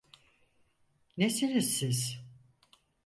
Nesiniz siz?